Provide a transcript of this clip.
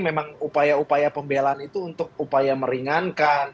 memang upaya upaya pembelaan itu untuk upaya meringankan